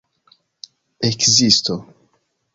ekzisto